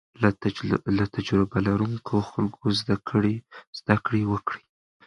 له تجربه لرونکو خلکو زده کړه وکړئ.